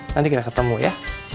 nanti kita ketemu ya